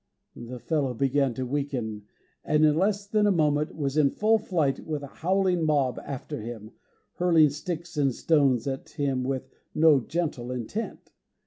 The fellow began to weaken, and in less than a moment was in full flight with a howling mob after him, hurling sticks and stones at him with no gentle intent.